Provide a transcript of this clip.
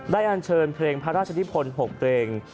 อันเชิญเพลงพระราชนิพล๖เพลง